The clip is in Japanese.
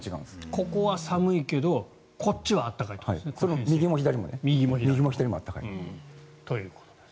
ここは寒いけどこっちは暖かいということです。